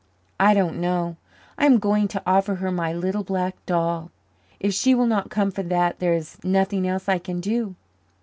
"I don't know. I am going to offer her my little black doll. If she will not come for that, there is nothing else I can do."